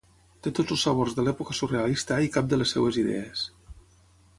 Té tots els sabors de l'època surrealista i cap de les seues idees.